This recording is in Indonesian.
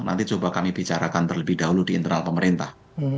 nanti coba kami bicarakan terlebih dahulu di internal pemerintah